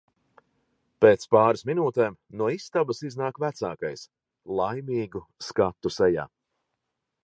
Pēc pāris minūtēm no istabas iznāk vecākais – laimīgu skatu sejā.